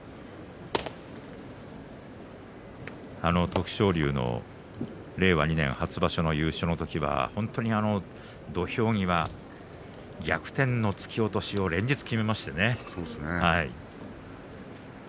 徳勝龍の令和２年初場所の優勝の時は本当に土俵際逆転の突き落としを連日きめましたね。